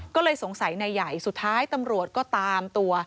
ก็เลยสงสัยนายใหญ่สุดท้ายตำรวจก็ตามตัว